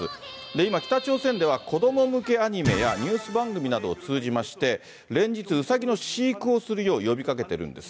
今、北朝鮮では子ども向けアニメやニュース番組などを通じまして、連日、うさぎの飼育をするよう呼びかけてるんです。